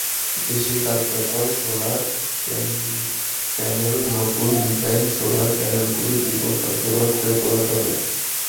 বেশি কার্যকর সোলার প্যানেলনতুন ডিজাইনের সোলার প্যানেলগুলো দ্বিগুণ কার্যকর করে তোলা যাবে।